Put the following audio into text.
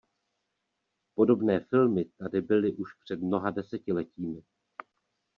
Podobné filmy tady byly už před mnoha desetiletími.